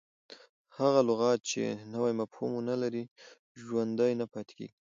هغه لغت، چي نوی مفهوم و نه لري، ژوندی نه پاته کیږي.